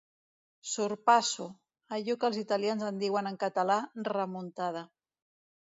Sorpasso’, allò que els italians en diuen, en català, ‘remuntada’